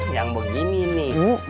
yang begini nih